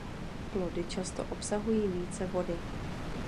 Plody často obsahují více vody.